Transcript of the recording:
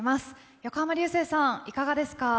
横浜流星さん、いかがですか？